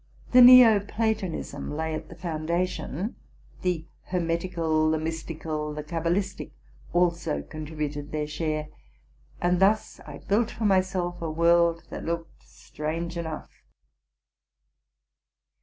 The Neo Platonism lay at the foundation; the hermetical, the mysti eal, the cabalistic, also contributed their share; and thus I built for myself a world that looked strange enough.